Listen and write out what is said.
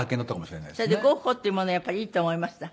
それでゴッホっていうものはやっぱりいいと思いました？